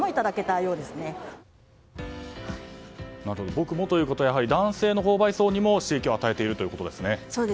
僕もということでやはり男性の購買層にも刺激を与えているんですね。